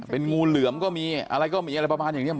เป็นงูเหลือมก็มีอะไรก็มีอะไรประมาณอย่างนี้